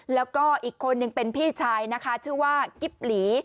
แล้วก็อีกคนนึงเป็นพี่ชายนะคะชื่อว่ากิ๊บหลี